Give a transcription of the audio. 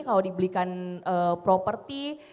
kalau di belikan properti